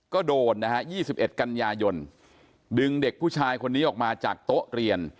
ก็โดนนะฮะ๒๑กันยายนดึงเด็กผู้ชายคนนี้ออกมาจากโต๊ะเรียน